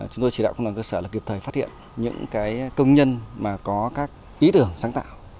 chúng tôi chỉ đạo công đoàn cơ sở vì một là kịp thời phát hiện những công nhân có các ý tưởng sáng tạo